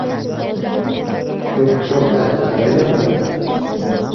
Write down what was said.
— Shu qishloqda, qayerda bo‘ladi.